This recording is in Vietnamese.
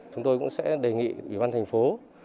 chúng tôi cũng sẽ đề nghị ủy ban thành phố